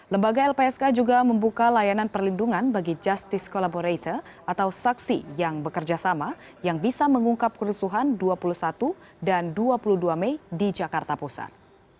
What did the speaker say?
lembaga lpsk juga membuka layanan perlindungan bagi justice collaborator atau saksi yang bekerja sama yang bisa mengungkap kerusuhan dua puluh satu dan dua puluh dua mei di jakarta pusat